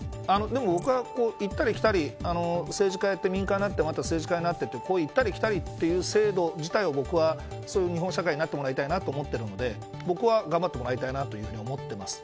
僕は行ったり来たり政治家やって、民間になってまた政治家になってって行ったり来たりという制度自体は僕はそういう日本社会になってもらいたいと思ってるので僕は頑張ってもらいたいと思っています。